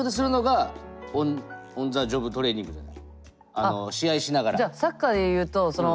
あの試合しながら。